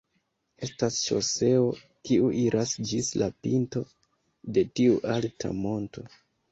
Estas ŝoseo kiu iras ĝis la pinto de tiu alta monto.